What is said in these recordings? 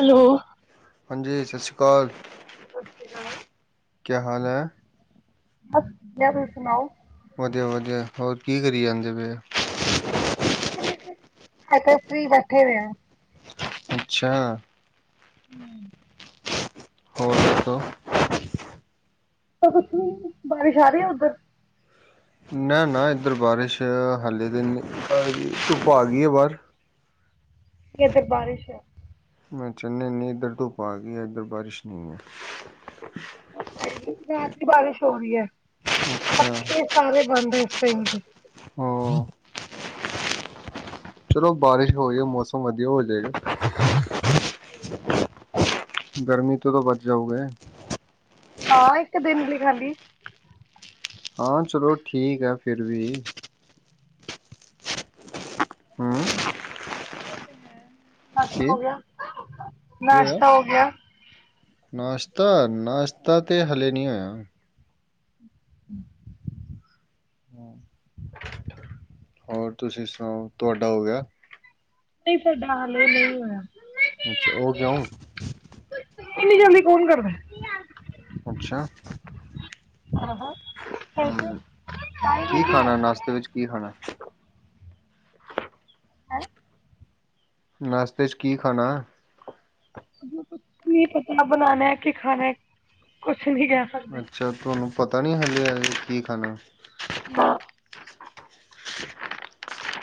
Hello ਸਤਿ ਹਾਂਜੀ ਸਤਿ ਸ਼੍ਰੀ ਅਕਾਲ ਸਤਿ ਸ਼੍ਰੀ ਅਕਾਲ, ਕਿਆ ਹਾਲ ਹੈ ਬਸ ਠੀਕ ਆ ਤੁਸੀਂ ਸੁਣਾਓ ਵਧੀਆ ਵਧੀਆ ਹੋਰ ਕੀ ਕਰੀ ਜਾਂਦੇ ਪਏ ਏਦਾਂ ਈ ਫ੍ਰੀ ਬੈਠੇ ਹੋਯੇ ਆਂ ਅੱਛਾ ਹਮ [unintelligible] ਹੋਰ ਦਸੋ ਤਾਂ ਕੁੱਛ ਵੀ ਨੀ, ਬਾਰਿਸ਼ ਆ ਰਹੀ ਹੈ ਉੱਧਰ ਨਾ ਨਾ ਇੱਧਰ ਬਾਰਿਸ਼ ਹਾਲੇ ਤੇ ਨਈ, ਧੁੱਪ ਆ ਗਈ ਹੈ ਬਾਹਰ ਇੱਧਰ ਬਾਰਿਸ਼ ਹੈ ਅੱਛਾ ਨਈ ਨਈ ਇਧਰ ਧੁੱਪ ਆ ਗਈ, ਇਧਰ ਬਾਰਿਸ਼ ਨਹੀਂ ਹੈ ਰਾਤ ਦੀ ਬਾਰਿਸ਼ ਹੋ ਰਹੀ ਹੈ ਅੱਛਾ ਪੱਖੇ ਸਾਰੇ ਬੰਦ ਹੈ ਇਸ ਟਾਈਮ ਦੇ ਹ ਚਲੋ ਬਾਰਿਸ਼ ਹੋ ਜਾ ਮੌਸਮ ਵਧੀਆ ਹੋ ਜਾਏਗਾ ਹ ਗਰਮੀ ਤੋਂ ਤਾਂ ਬਚ ਜਾਓਗੇ ਹਾਂ ਇੱਕ ਦਿਨ ਲਈ ਖਾਲੀ ਹਾਂ ਚਲੋ ਠੀਕ ਆ ਫਿਰ ਵੀ ਹੰਮ ਉਹ ਤਾਂ ਹੈ ਕੀ -ਕੀ ਹੋਇਆ ਨਾਸ਼ਤਾ ਹੋ ਗਿਆ ਨਾਸ਼ਤਾ -ਨਾਸ਼ਤਾ ਤਾਂ ਹਲੇ ਨਹੀਂ ਹੋਇਆ ਹਮ [inaudible] ਹੋਰ ਤੁਸੀਂ ਸੁਣਾਓ ਤੁਹਾਡਾ ਹੋ ਗਿਆ ਨਹੀਂ ਸਾਡਾ ਹਾਲੇ ਨਹੀਂ ਹੋਇਆ ਅੱਛਾ ਉਹ ਕਿਉਂ ਇੰਨੀ ਜਲਦੀ ਕੌਣ ਕਰਦਾ ਅੱਛਾ ਕੀ ਖਾਣਾ ਨਾਸ਼ਤੇ ਵਿੱਚ ਕੀ ਖਾਣਾ ਹੈਂ ਨਾਸ਼ਤੇ 'ਚ ਕੀ ਖਾਣਾ ਕੁਛ ਨ ਪਤਾ ਬਣਾਉਣਾ ਕਿ ਖਾਣਾ ਕੁਛ ਨੀ ਕਹਿ ਸਕਦੇ ਅੱਛਾ ਤੁਹਾਨੂੰ ਪਤਾ ਨੀ ਹਾਲੇ ਆ ਕੀ ਖਾਣਾ ਨਾ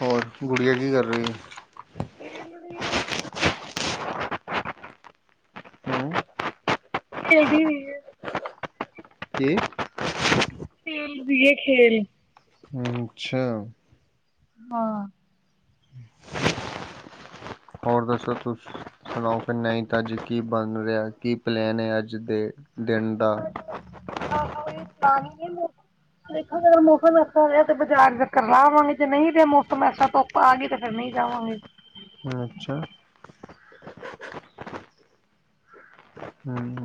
ਹੋਰ ਗੁੜੀਆ ਕੀ ਕਰ ਰਹੀ ਹੈ ਫ [unintelligible] ਹੂੰ ਖੇਲਦੀ ਪਈ ਏ ਅਤੇ ਖ ਦੀਏ ਖੇਲ ਅੱਛਾ ਹਾਂ ਹੋਰ ਦੱਸੋ ਤੁਸੀਂ ਸੁਣਾਓ ਕਿ ਨਹੀਂ ਤਾਂ ਅੱਜ ਕੀ ਬਣ ਰਿਹਾ ਕੀ ਪਲੈਨ ਹੈ ਅੱਜ ਦੇ ਦਿਨ ਦਾ ਹ ਕੋਈ ਪਲਾ ਨਹੀਂ ਹੈ ਦੇਖੋ ਅਗਰ ਮੌਸਮ ਐਸਾ ਰਿਹਾ ਤੇ ਬਾਜ਼ਾਰ ਚੱਕਰ ਲਾਹਵਾਂਗੇ ਜੇ ਨਹੀਂ ਰਿਹਾ ਮੌਸਮ ਐਸਾ ਤੋਂ ਆ ਗਏ ਤੇ ਫੇਿਰ ਨਹੀਂ ਜਾਵਾਂਗੇ ਅੱਛਾ ਹੰਮ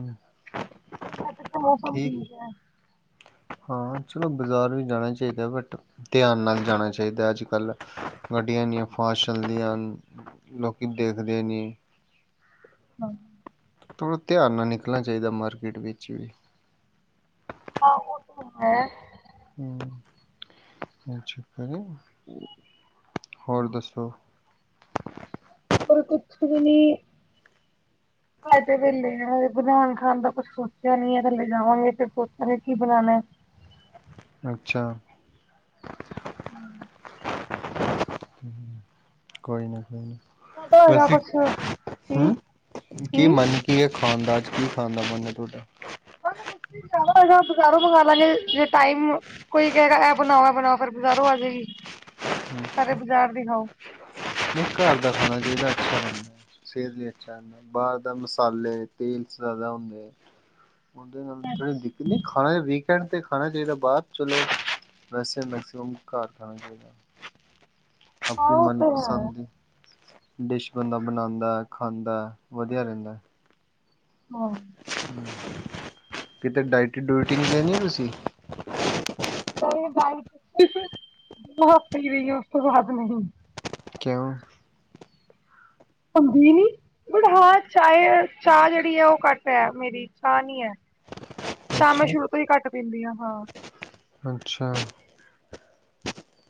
ਤਾਂ ਮੌਸਮ ਠੀਕ ਹੈ ਹਾਂ ਚਲੋ ਬਾਜ਼ਾਰ ਵੀ ਜਾਣਾ ਚਾਹੀਦਾ ਬਟ ਧਿਆਨ ਨਾਲ ਜਾਣਾ ਚਾਹੀਦਾ ਅੱਜ ਕੱਲ੍ਹ ਗੱਡੀਆਂ ਇੰਨੀਆਂ ਫਾਸਟ ਚੱਲਦੀਆਂ ਹਨ ਲੋਕੀ ਦੇਖਦੇ ਨੇੀ ਹਾਂ ਥੋੜ੍ਹਾ ਧਿਆਨ ਨਾਲ ਨਿਕਲਣਾ ਚਾਹੀਦਾ ਮਾਰਕੀਟ ਵਿੱਚ ਵੀ ਹਾਂ ਉਹ ਤਾਂ ਹੈ ਹਮ [unintelligible] ਚੱਕਰ ਏ, ਹੋਰ ਦੱਸੋ ਹੋਰ ਕੁਛ ਵੀ ਨੀ ਹਾਲੇ ਤੇ ਵੇਹਲੇ ਆ, ਬਨਾਉਨ -ਖਾਨ ਦਾ ਕੁਛ ਸੋਚਿਆ ਨੀ। ਅਗਰ ਜਿਵੇਂ ਜਾਵਾਂਗੇ, ਤੇ ਸੋਚਾਂਗੇ ਕੀ ਬਨਾਨੈ। ਅੱਛਾ। ਹੂੰ। [inaudible] ਕੋਈ ਨਾ ਜ਼ਿਆਦਾ ਹੋਏਗਾ ਬਸ ਇਕ, ਕੁਛ ਕੀ ਹੂੰ, ਕੀ ਮਨ? ਕੀ ਖਾਨਦਾ ਅੱਜ, ਕੀ ਖਾਂਨਦਾ ਮਨ ਐ ਤੁਹਾਡਾ? ਓਨੂੰ ਤੁਸੀ ਬਾਜ਼ਾਰੋਂ ਮੰਗਾਓ, ਬਜ਼ਾਰੋਂ ਮੰਗਾਲਾਂਗੇ ਜੇ ਟਾਈਮ ਕੋਈ ਕੇਹਗਾ, ਐ ਬਨਾਓ, ਐ ਬਨਾਓ, ਫੇਰ ਬਾਜ਼ਾਰੋਂ ਆ ਜਏਗੀ। ਸਾਰੇ ਬਾਜ਼ਾਰ ਦੀ ਖਾਓ। ਨਈ, ਘਰ ਦਾ ਖਾਨਾ ਚਾਈਦਾ, ਅੱਛਾ, ਰਹਿੰਦੈ। ਸੇਹਤ ਲਈ ਅੱਛਾ ਹੈ। ਬਾਰ ਦਾ ਮਸਾਲੇ, ਤੇਲ ਜਾਦਾ ਹੁੰਦੈ। ਓਦੇ, ਨਾਲ ਤੈਨੂੰ ਦਿਕੱਤ ਨੀ ਖਾਨੇ ਦੀ? ਕੈਹਨ ਤੇ ਖਾਨਾ ਚਾਈਦਾ ਬਾਹਰ, ਚਲੋ ਵੈਸੇ ਮੈਕਸੀਮਮ ਘਰ ਦਾ ਖਾਨਾ ਚਾਈਦੈ। ਆਪੇ, ਆਹੋ ਉਹ ਮਨ। ਤੇ ਹੈ ਡਿਸ਼ ਬੰਦਾ ਬਨਾਦੈ, ਖਾਂਦੈ, ਵਦੀਆ ਰਹਿੰਦੈ। ਹਾ। ਕਿਤੇ ਡਾਇਟਿੰਗ- ਡੂਟਿੰਗ ਤੇ ਨਈ ਤੁਸੀ? ਪਹਿਲੇ ਬਾਰਿਸ਼, ਬੋਹਤ ਪਈ ਹੋਈ ਆ, ਉਸ ਤੋਂ ਬਾਦ ਨਹੀਂ। ਕੇਉਂ? ਭਾਂਦੀ, ਨੀ? ਬਟ, ਹਾਂ, ਚਾਏ -ਚਾ ਜੇੜੀ ਐ, ਓ ਘੱਟ ਐ, ਮੇਰੀ ਚਾ ਨੀ ਐ। ਚਾਅ ਮੈ ਅੱਛਾ ਸ਼ੁਰੂ ਤੋਂ ਈ ਘੱਟ ਪੀਂਦੀ ਆ, ਹਾਂ। ਅੱਛਾ।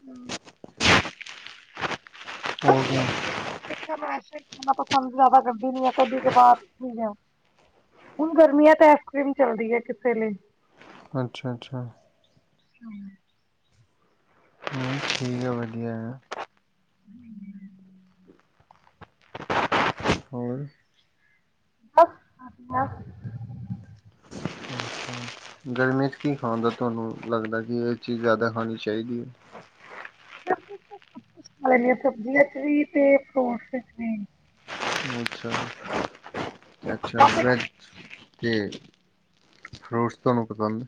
ਹੂੰ। ਹੋਰ ਜਾ [unintelligible] ਮੈਸ ਜਾਨਾ ਪਸੰਦ ਜਾਦਾ ਕਰਦੀ ਨੀ ਆ, ਕਦੀ-ਕਦਾਰ ਜਾ ਹੁਨ ਗਰਮੀਆਂ ਤੇ ਆਈਸਕ੍ਰੀਮ ਚੱਲਦੀ ਏ, ਕਿਸੇ ਲਈ? ਅੱਛਾ-ਅੱਛਾ। ਹੂੰ ਠੀਕ ਐ, ਵਦੀਐ। [inaudible] ਹੋਰ? [unintelligible] ਗਰਮੀ 'ਚ ਕੀ ਖਾਨਦਾ ਤੁਹਾਨੂੰ ਲੱਗਦੈ? ਕੀ ਏਅ ਚੀਜ਼ ਜਾਦਾ ਖਾਨੀ ਚਾਈਦੀ ਏ? ਸਵੇਰੇ ਸਬਜ਼ੀਆਂ 'ਚ ਵੀ, ਤੇ ਫਰੂਟਸ 'ਚ ਵੀ। [unintelligible] ਅੱਛਾ-ਅੱਛਾ, ਬਸ ਇੱਕ ਰੈਡ ਕੇ ਫਰੂਟਸ ਤੁਹਾਨੂੰ ਪਸੰਦ ਏ?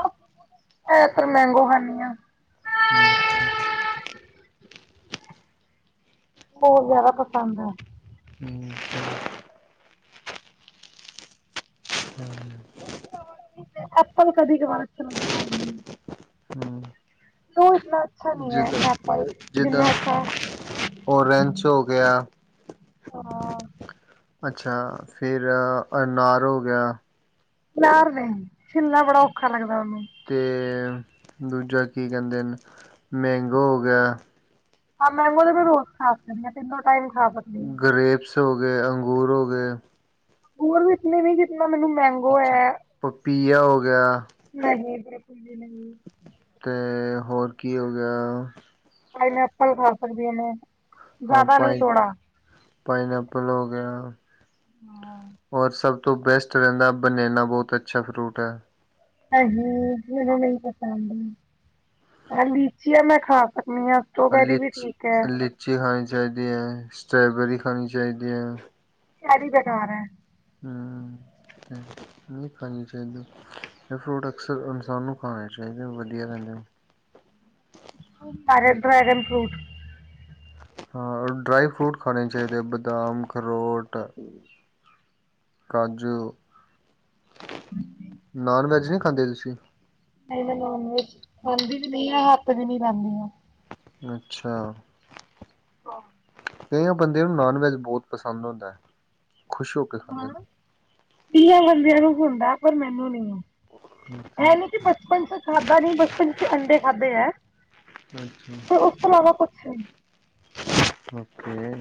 ਅਪ, ਐਹ ਤੇ ਮੈਂਗੋ ਖਾਨੀ ਆ। ਹੂੰ, ਅੱਛਾ। ਓ ਜਾਦਾ ਪਸੰਦ ਐ। ਹੂੰ, ਚ? ਐਪਲ, ਕਦੀ ਦੁਬਾਰਾ ਅੱਛਾ ਲੱਗਦੈ ਰੋਜ ਨੀ। ਹੂੰ। ਓ ਇਤਨਾ ਅੱਛਾ ਨੀ ਹੈ, ਐਪਲ ਜਿਨਾ ਅੱਛਾ। ਔਰੈਂਚ, ਹੋ ਗਿਆ। ਹਾਂ ਅੱਛਾ। ਫੇਰ ਅਨਾਰ ਹੋ ਗਿਆ। ਅਨਾਰ ਨਹੀਂ ਛਿੱਲਨਾ ਬੜਾ ਔਖਾ ਲੱਗਦਾ। ਉਹਨੂੰ ਤੇ ਦੂਜਾ ਕੀ ਕਹਿੰਦੇ ਨੇ ਮੈਂਗੋ ਹੋ ਗਿਆ। ਹਾਂ। ਮੈਗੋ ਤੇ ਮੈਂ ਰੋਜ ਖਾ ਸਕਦੀ ਹਾਂ। ਤਿੰਨੋ ਟਾਈਮ ਖਾ ਸਕਦੀਆਂ। ਗਰੇਪਸ ਹੋ ਗਏ, ਅੰਗੂਰ ਹੋ ਗਏ। ਅੰਗੂਰ ਵਿਚ ਵੀ ਨੀ ਜਿਤਨਾ ਮੈਨੂੰ ਮੈਗੋ ਅੱਛਾ। ਹੈ। ਪਪੀਆ ਹੋ ਗਿਆ। ਨਹੀਂ ਬਿਲਕੁੱਲ ਵੀ ਨਹੀਂ। ਤੇ ਹੋਰ। ਕੀ ਹੋ ਗਿਆ? ਪਾਇਨ ਐਪਲ ਖਾ ਸਕਦੀ ਹੇ। ਹਾਂ। ਪਾ ਪਾਈਨ ਐਪਲ ਹੋ ਗਿਆ। ਔਰ ਸਭ ਬੈਸਟ ਰਹਿੰਦਾ। ਬਨੈਨਾ ਬਹੁਤ ਅੱਛਾ ਫਰੂਟ ਹੈ। ਨਹੀਂ। ਮੈਨੂੰ ਨਹੀਂ ਪਸੰਦ। ਲੀਚੀਆ ਮੈਂ ਖਾ ਸਕਦੀ ਹਾਂ। ਸਟ੍ਰੋਬੈਰੀ ਵੀ ਲਿਚ ਠੀਕ ਹੈ। ਲੀਚੀ ਖਾਣੀ ਚਾਹੀਦੀ ਹੈ। ਸਟ੍ਰਾਬੇਰੀ ਖਾਣੀ ਚਾਹੀਦੀ ਹੈ। ਕਾਦੀ ਦੁਕਾਨ ਹੈ? [inaudible] ਹੂ - ਹੂ। ਨਹੀਂ ਖਾਣੀ ਚਾਹੀਦੀ। ਇਹ ਫਰੂਟ ਅਕਸਰ ਇਨਸਾਨ ਨੂੰ ਖਾਣੇ ਚਾਹੀਦੇ। ਵਧੀਆ ਰਹਿੰਦੇ। ਸਾਰੇ ਡਰੈਗਨ ਫਰੂਟ ਹਾਂ। ਡਰਾਈ ਫਰੂਟ ਖਾਣੇ ਚਾਹੀਦੇ-ਬਦਾਮ, ਅਖਰੋਟ ਕਾਜੂ। ਨਾਨ-ਵੈਜ ਨਹੀਂ ਖਾਂਦੇ ਤੁਸੀਂ? ਮੈਂ ਨੋਨ-ਵੈਜ ਖਾਂਦੀ ਵੀ ਨਹੀਂ ਆ। ਹੱਥ ਵੀ ਨਹੀਂ ਲਾਂਦੀ ਹਾਂ। ਅੱਛਾ! ਹਾਂ। [unintelligible] ਕਈਆਂ ਬੰਦਿਆਂ ਨੂੰ ਨਾਨ-ਵੈਜ ਬਹੁਤ ਪਸੰਦ ਹੁੰਦਾ ਹੈ। ਖੁਸ਼ ਹੋ ਕੇ ਖਾਂਦੇ ਹਾਂ। ਕਈਆਂ ਬੰਦਿਆਂ ਨੂੰ ਹੁੰਦਾ। ਪਰ ਮੈਨੂੰ ਨੀ ਅੱਛਾ ਐ ਨਹੀਂ ਕਿ ਬਚਪਨ ਚ ਖਾਧਾ ਨਹੀਂ। ਬਚਪਨ ਚ ਅੰਡੇ ਖਾਧੇ ਹੈ। ਅੱਛਾ ਪਰ ਉਸ ਤੋਂ ਇਲਾਵਾ [unintelligible] ਕੁਛ ਨਹੀਂ ਓਕੇ।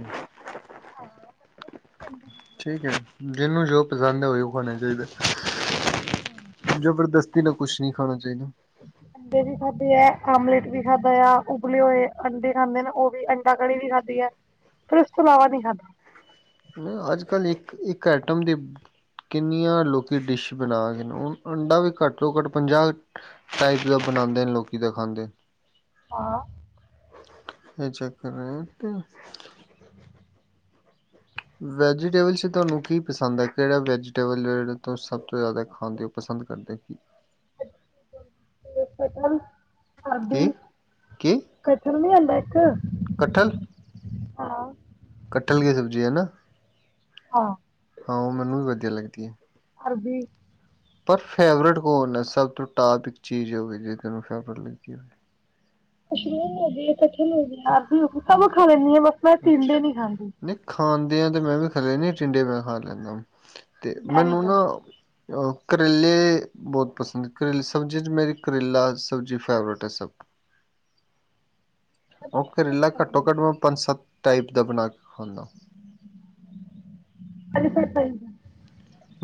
ਹੈਲੋ ਠੀਕ ਹੈ। ਜਿਹਨੂੰ ਜੋ ਪਸੰਦ ਹੈ। ਉਹਿਓ ਖਾਣਾ ਚਾਹੀਦਾ। ਜਬਰਦਸਤੀ ਨਾਲ ਕੁਛ ਨਹੀਂ ਖਾਣਾ ਚਾਹੀਦਾ। ਅੱਛ [unintelligible] ਅੰਡੇ ਵੀ ਖਾਧੇ ਐ। ਆਮਲੇਟ ਵੀ ਖਾਧਾ ਐ। ਉਬਲੇ ਹੋਏ ਅੰਡੇ ਖਾਂਦੇ ਨੇ, ਉਹ ਵੀ ਅੰਡਾ ਕੜੀ ਵੀ ਖਾਂਦੀ ਹੈ। ਫੇਰ ਉਸ ਤੋਂ ਇਲਾਵਾ ਨਹੀਂ ਖਾਧਾ। ਅੱਜ-ਕੱਲ੍ਹ ਇੱਕ- ਇੱਕ ਐਟਮ ਦੀ ਕਿੰਨੀਆਂ ਲੋਕੀ ਡਿਸ਼ ਬਣਾ ਰੇ ਨੇ। ਹੁਣ ਅੰਡਾ ਵੀ ਘੱਟ ਤੋਂ ਘੱਟ ਪੰਜਾਹ ਟਾਈਪ ਦਾ ਬਣਾਉਂਦੇ ਨੇ ਲੋਕੀ ਤਾਂ ਖਾਂਦੇ ਹਾਂ ਇਹ ਚੱਕਰ ਹੈ ਤੇ ਵੈਜੀਟੇਬਲਸ ਤੁਹਾਨੂੰ ਕੀ ਪਸੰਦ ਹੈ? ਕਿਹੜਾ ਵੈਜੀਟੇਬਲ ਤੁਸੀਂ ਸਭ ਤੋਂ ਜ਼ਿਆਦਾ ਖਾਂਦੇ ਹੋ? ਪਸੰਦ ਕਰਦੇ ਕਿ? ਕਠਲ, ਕੀ ਅਰਭੀ ਕਠਲ ਨੀ ਆਉਂਦਾ ਇੱਕ ਕਠਲ। ਹਾਂ। ਕਠਲ ਕੀ ਸਬਜ਼ੀ ਹੈਨਾ? ਹਾਂ। ਹਾਂ ਉਹ ਮੈਨੂੰ ਵੀ ਵਧੀਆ ਲੱਗਦੀ ਹੈ। ਅਰਬੀ ਪਰ ਫੇਵਰੇਟ ਕੌਣ ਹੈ? ਸਭ ਤੋਂ ਟੋਪਿਕ ਚੀਜ਼ ਹੋਵੇ ਜੇੜੀ ਤੈਨੂੰ ਫੇਵਰੇਟ ਲੱਗੀ ਹੋਵੇ? ਮਸ਼ਰੂਮ ਹੋ ਗਈ, ਕਠਲ ਹੋ ਗਿਆ, ਅਰਬੀ ਹੋ ਗਈ ਸਭ ਖਾ ਲੈਂਦੀ ਆ ਮੈਂ। ਟਿੰਡੇ ਨਹੀਂ ਖਾਂਦੀ ਨਹੀਂ ਖਾਂਦੇ ਆ ਤੇ ਮੈਂ ਵੀ ਕਦੇ ਨੀ, ਟਿੰਡੇ ਮੈਂ ਖਾ ਲੈਂਦਾ। ਤੇ ਮੈਂ ਨਹੀਂ ਮੈਨੂੰ ਨਾ ਖਾਂਦੀ ਕਰੇਲੇ ਬਹੁਤ ਪਸੰਦ ਕਰੇਲੇ ਸਬਜ਼ੀ 'ਚ ਮੇਰੀ ਕਰੇਲਾ ਸਬਜ਼ੀ ਫੇਵਰੇਟ ਹੈ ਸਭ ਉਹ ਕਰੇਲਾ, ਘੱਟੋ-ਘੱਟ ਮੈਂ ਪੰਜ-ਸੱਤ ਟਾਈਪ ਦਾ ਬਣਾ ਕੇ ਖਾਂਦਾ।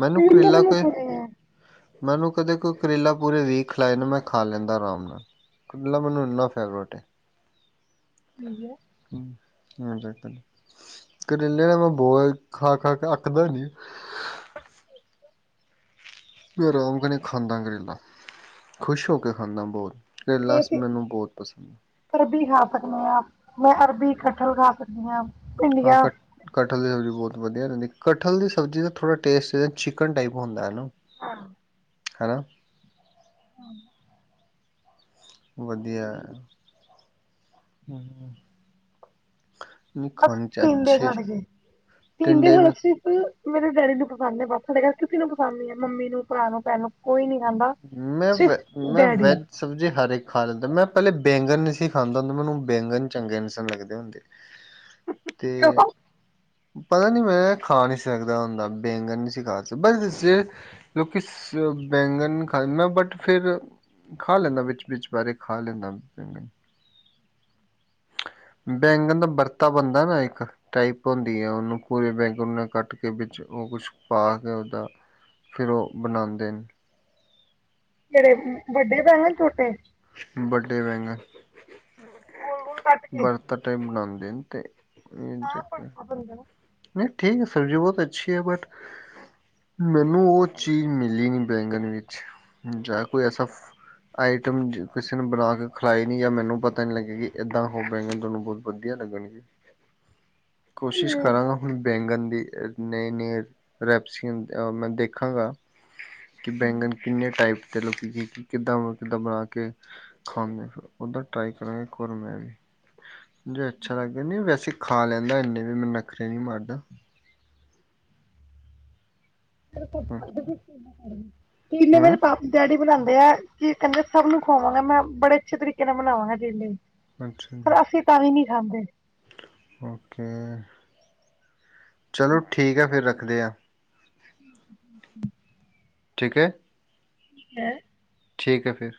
ਮੈਨੂੰ ਕਰੇਲਾ ਕੋਈ ਮੈਨੂੰ ਕਦੇ ਕੋਈ ਕਰੇਲਾ ਪੂਰੇ ਵੀਕ ਖਿਲਾਏ ਨਾ, ਮੈਂ ਖਾ ਲੈਂਦਾ ਆਰਾਮ ਨਾਲ। ਕਰੇਲਾ ਮੈਨੂੰ ਏਨਾ ਫੇਵਰੇਟ ਹੈ। ਠੀਕ ਹੈ। ਕਰੇਲੇ ਤਾਂ ਮੈਂ ਬੋਤ ਖਾ-ਖਾ ਕੇ ਅਕਦਾ ਨੀ। ਮੈਂ ਆਰਾਮ ਨਾਲ ਖਾਂਦਾ ਕਰੇਲਾ, ਖੁਸ਼ ਹੋ ਕੇ ਖਾਂਦਾ ਬਹੁਤ। ਇਹ ਕਰੇਲਾਸ ਅਸੀਂ ਮੈਨੂੰ ਬਹੁਤ ਪਸੰਦ ਹੈ। ਅਰਬੀ ਖਾ ਸਕਦੇ ਹਾਂ, ਮੈਂ ਅਰਬੀ, ਕਠਲ ਖਾ ਸਕਦੀ ਹਾਂ। ਹਾਂ ਘੱ ਕਠਲ ਦੀ ਸਬਜ਼ੀ ਬਹੁਤ ਵਧੀਆ ਰਹਿੰਦੀ। ਕਠਲ ਦੀ ਸਬਜ਼ੀ ਦਾ ਥੋੜ੍ਹਾ ਟੇਸਟ ਚਿਕਨ ਟਾਈਪ ਹੁੰਦਾ, ਹੈ ਨਾ? ਹਾਂ। ਹਨਾ। ਹਾਂ। ਵਧੀਆ ਏ। ਬ ਚ ਤਿੰਨਡ ਅੱਛੇ ਖਾਣਗੇ ਤਿੰਨਡ ਟਿੰਡੇ ਖਣ ਮੈਂ ਸੀ। ਮੇਰੇ ਡੈਡੀ ਨੂੰ ਪਸੰਦ ਹੈ ਬਥੇ ਦੇ ਕਿਸੇ ਨੂੰ ਪਸੰਦ ਨ ਹੈ ਮੰਮੀ ਨੂੰ, ਭਰਾ ਨੂੰ, ਭੈਣ ਨੂੰ ਕੋਈ ਨੀ ਖਾਂਦਾ ਮੈਂ ਸ ਵ ਮੈਂ ਡੈਡੀ ਵੈਜ ਸਬਜ਼ੀ ਹਰ ਇੱਕ ਖਾ ਲੈਂਦਾ ਮੈਂ ਪਹਿਲੇ ਬੈਂਗਨ ਨਹੀਂ ਸੀ ਖਾਂਦਾ ਹੁੰਦਾ ਮੈਨੂੰ ਬੈਂਗਨ ਚੰਗੇ ਨਹੀਂ ਸੀ ਲੱਗਦੇ ਹੁੰਦੇ। [unintelligible] ਤੇ ਕਿਉਂ ਪਤਾ ਨੀ ਮੈਂ ਖਾ ਨਹੀਂ ਸਕਦਾ ਹੁੰਦਾ ਬੇਗਣ ਨਹੀਂ ਸੀ ਖਾ ਲੋਕੀ ਸ ਬੈਂਗਨ ਖਾਂਦਾ ਬਟ ਫਿਰ ਖਾ ਲੈਂਦਾ ਵਿੱਚ, ਵਿਚ ਬਾਰੇ ਖਾ ਲੈਂਦਾ। ਬੈਂਗਣ ਦਾ ਵਰਤਾ ਬਣਦਾ ਨਾ ਇੱਕ ਟਾਈਪ ਹੁੰਦੀ ਆ ਉਹਨੂੰ ਪੂਰੇ ਬੈਂਗਨ ਨੇ ਕੱਟ ਕੇ ਵਿੱਚ ਉਹ ਕੁਛ ਪਾ ਕੇ ਉਹਦਾ ਫਿਰ ਉਹ ਬਣਾਉਦੇ ਨੇ। ਜਿਹੜੇ ਵੱਡੇ ਭੈਣ, ਛੋਟੇ। ਵੱਡੇ ਬੈਂਗਣ ਗੋਲ ਗੋਲ ਕੱਟ ਕੇ ਵਰਤਾ ਟਾਈਪ ਬਣਾਉਂਦੇ ਨੇ ਤੇ। ਇਹ ਹਹ ਪੜ ਚੱਕਰ ਬੰ [unintelligible] ਨਹੀਂ ਠੀਕ ਹੈ ਸਬਜ਼ੀ ਬਹੁਤ ਅੱਛੀ ਹੈ ਬਟ ਮੈਨੂੰ ਉਹ ਚੀਜ਼ ਮਿਲੀ ਨਹੀਂ ਬੈਂਗਣ ਵਿੱਚ ਜਾਂ ਕੋਈ ਐਸਾ ਆਈਟਮ ਕਿਸੇ ਨੇ ਬਣਾ ਕੇ ਖਿਲਾਈ ਨਹੀਂ ਜਾਂ ਮੈਨੂੰ ਪਤਾ ਨਹੀਂ ਲੱਗਿਆ ਕਿ ਇੱਦਾਂ ਹੋਵੇਏਆਂ ਤੁਹਾਨੂੰ ਬਹੁਤ। ਵਧੀਆ ਲੱਗਣ ਜੀ। [unintelligible] ਕੋਸ਼ਿਸ਼। ਹੁਣ ਬੈਂਗਣ ਦੀ ਨਈ ਨ ਰੈਪਸ ਮੈਂ, ਦੇਖਾਂਗਾ ਕਿ ਬੈਂਗਨ ਕੀ ਕਿੰਨੇ ਟਾਈਪ ਦੇ ਲੋਕ ਕਿੱਦਾਂ -ਕਿੱਦਾਂ ਬਣਾ ਕੇ ਖਾਂਦੇ ਓਦਾ ਟਰਾਈ ਕਰਾਂਗੇ ਇਕ ਵਾਰ ਮੈਂ ਵੀ। ਜੇ ਅੱਛਾ ਲੱਗਾ ਨੀ ਵੈਸੇ ਖਾ ਲੈਂਦਾ ਇਨੇ ਵੀ ਮੈਂ ਨਖਰੇ ਨੀ ਮਾਰਦਾ। ਹੂੰ [unintelligible] ਨੇ ਮੇਰੇ ਹੂੰ ਪ ਡੈਡੀ ਬਣਾ [unintelligible] ਦਿਆ ਕੀ ਕੈਂਦੇ ਸਭ ਨੂੰ ਖੁਵਾਵਾਂਗਾ ਮੈਂ ਬੜੇ ਅੱਛੇ ਤਰੀਕੇ ਨਾਲ ਮਨਾਵਾਂਗਾ ਜੇ ਲਈ [unintelligible] ਅੱਛਾ ਓਕੇ [unintelligible] ਚਲੋ ਠੀਕ ਐ ਫੇਰ ਰੱਖਦੇ ਆ। [inaudible] ਠੀਕ ਐ। ਠੀਕ ਐ। ਠੀਕ ਐ ਫਿਰ।